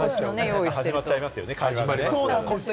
始まっちゃいますよね。